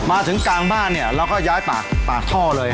มาถึงกลางบ้านเนี่ยเราก็ย้ายปากท่อเลย